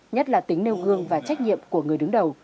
nhất là tính nêu gương và trách nhiệm của người đứng đầu